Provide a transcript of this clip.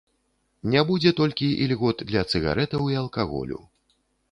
Не будзе толькі ільгот для цыгарэтаў і алкаголю.